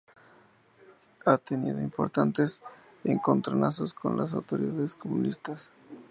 Ha tenido importantes encontronazos con las autoridades comunistas.